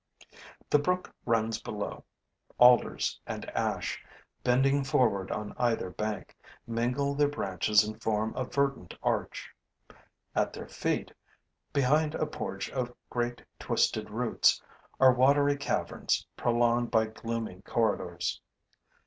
The brook runs below. Alders and ash, bending forward on either bank, mingle their branches and form a verdant arch. At their feet, behind a porch of great twisted roots, are watery caverns prolonged by gloomy corridors.